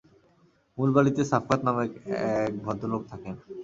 মূল বাড়িতে সাফকাত নামের এক ভদ্রলোক থাকেন।